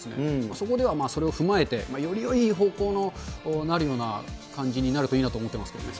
そこではそれを踏まえて、よりよい方向になるような感じになるといいなと思ってますけどね。